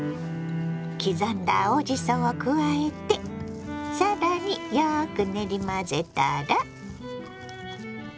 刻んだ青じそを加えて更によく練り混ぜたら。